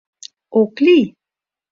— Ок лий?